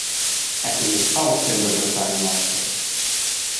Ei fagess pauc senn da blessar in l’auter.